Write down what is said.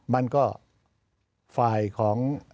มันก็ฝ่ายของ